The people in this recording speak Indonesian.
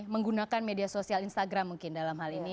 menggunakan media sosial instagram mungkin dalam hal ini